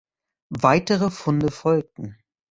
Weitere Funde folgten.